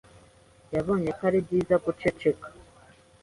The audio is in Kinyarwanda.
Yabonye ko ari byiza guceceka.